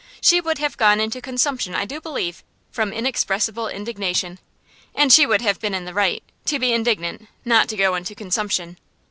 She would have gone into consumption, I do believe, from inexpressible indignation; and she would have been in the right to be indignant, not to go into consumption.